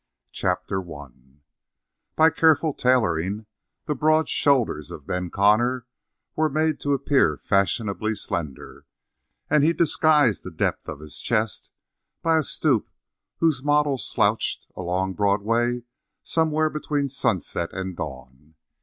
CHAPTER ONE By careful tailoring the broad shoulders of Ben Connor were made to appear fashionably slender, and he disguised the depth of his chest by a stoop whose model slouched along Broadway somewhere between sunset and dawn.